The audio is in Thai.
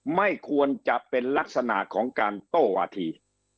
ไม่ควรจะเป็นลักษณะของการโต้วาธี